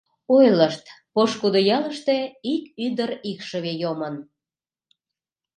Ойлышт: пошкудо ялыште ик ӱдыр икшыве йомын.